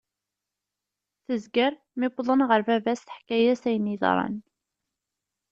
Tezger, mi wḍen ɣer baba-s teḥka-as ayen yeḍran.